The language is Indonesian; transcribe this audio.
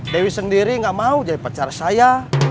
dewi sendiri gak mau jadi pacar saya